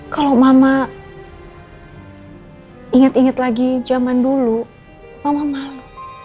kalau mama inget inget lagi zaman dulu mama malu